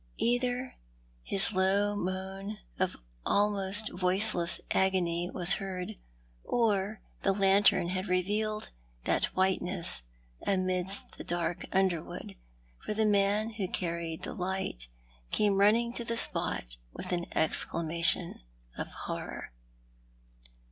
Either his low moan of almost voiceless agony was heard, or the lantern had revealed that whiteness amidst the dark underwood — for the man who carried the light came running to the spot with an exclamation of horror.